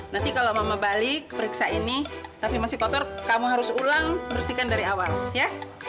nanti kalau mama balik periksa ini tapi masih kotor kamu harus ulang bersihkan dari awal ya